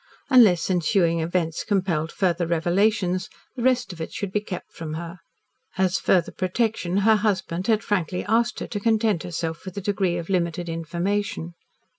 Unless ensuing events compelled further revelations, the rest of it should be kept from her. As further protection, her husband had frankly asked her to content herself with a degree of limited information.